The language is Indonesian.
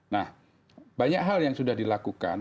nah banyak hal yang sudah dilakukan